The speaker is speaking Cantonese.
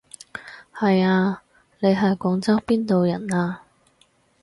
係啊，你係廣州邊度人啊？